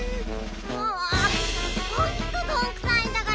もうほんとどんくさいんだから。